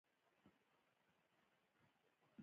نا مطمئن او فریاد کوونکي احساس کوي.